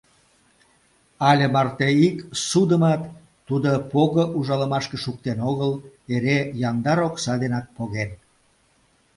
Але марте ик ссудымат тудо пого ужалымашке шуктен огыл, эре яндар окса денак поген.